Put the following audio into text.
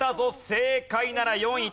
正解なら４位。